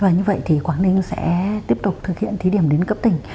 như vậy quảng ninh sẽ tiếp tục thực hiện thí điểm đến cấp tỉnh